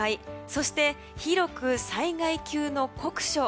そして、広く災害級の酷暑。